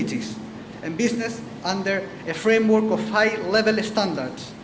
dan bisnis di bawah proses yang berbasis standar